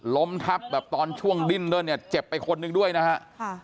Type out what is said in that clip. ล้มทับแบบตอนช่วงดิ้นด้วยเนี่ยเจ็บไปคนหนึ่งด้วยนะฮะ